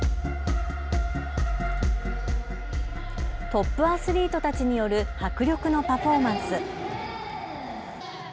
トップアスリートたちによる迫力のパフォーマンス。